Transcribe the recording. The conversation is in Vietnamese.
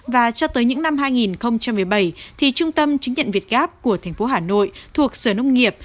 và cho tới những năm hai nghìn một mươi bảy thì trung tâm chứng nhận việt gáp của thành phố hà nội thuộc sở nông nghiệp